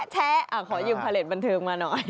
ขอยืมผลิตบันเทิงมาหน่อย